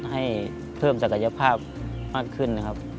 ให้เพิ่มศักยภาพมากขึ้นนะครับ